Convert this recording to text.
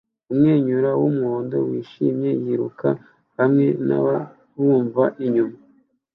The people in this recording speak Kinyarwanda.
Umwenyura wumuhondo wishimye yiruka hamwe nababumva inyuma